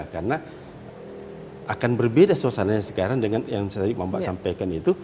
karena akan berbeda suasananya sekarang dengan yang saya sampaikan itu